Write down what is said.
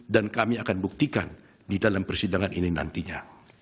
dan kami akan buktikan di dalam persidangan ini nantinya